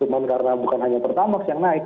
cuman karena bukan hanya pertamaks yang naik